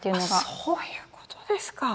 そういうことですか。